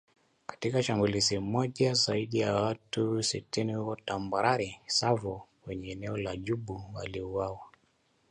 Katika shambulizi moja zaidi ya watu sitini huko Tambarare Savo kwenye eneo la Djubu waliuawa